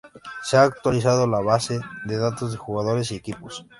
Se ha actualizado la base de datos de jugadores y equipos.